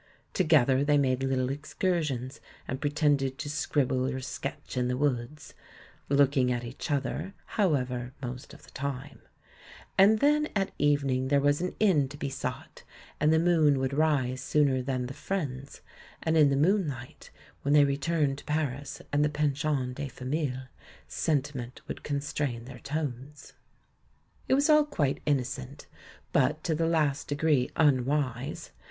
Together they made little excursions, and pretended to scribble or sketch in the woods — looking at each other, however, most of the time ; and then at evening there was an inn to be sought, and the moon would rise sooner than the "friends"; and in the moonlight, when they re turned to Paris and the pension de famille, senti ment would constrain their tones. It was all quite innocent, but to the last degree unwise.